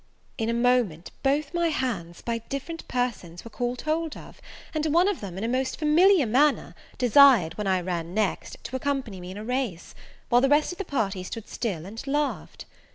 In a moment both my hands, by different persons, were caught hold of, and one of them, in a most familiar manner, desired, when I ran next, to accompany me in a race; while the rest of the party stood still and laughed.